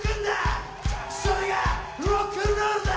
それがロックンロールだ！